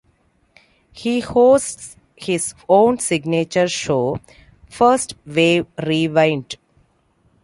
He hosts his own signature show "First Wave Rewind".